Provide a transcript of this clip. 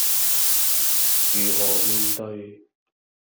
如何面對